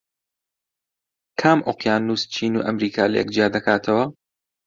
کام ئۆقیانوس چین و ئەمریکا لەیەک جیا دەکاتەوە؟